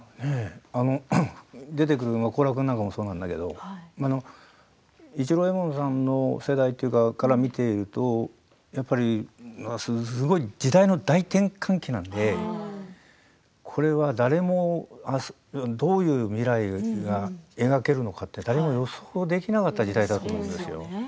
出てくる高良君なんかもそうなんだけど市郎右衛門さんの世代から見ていると、やっぱりすごい時代の大転換期なんでこれは誰もどういう未来が描けるのかって誰も予想できなかった時代だと思うんですよ。